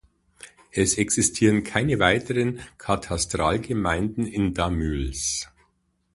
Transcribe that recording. Es existieren keine weiteren Katastralgemeinden in Damüls.